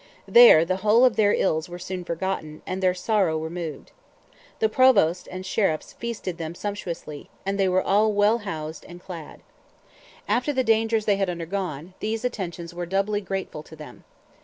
There "the whole of their ills were soon forgotten, and their sorrow removed." The provost and sheriffs feasted them sumptuously, and they were all well housed and clad. After the dangers they had undergone, these attentions were doubly grateful to them.